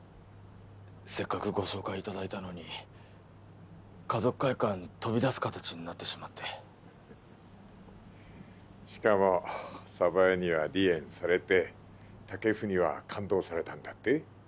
せっかくご紹介いただいたのに華族会館飛び出す形になってしまってしかも鯖江には離縁されて武生には勘当されたんだって？